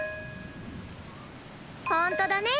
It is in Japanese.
ほんとだね。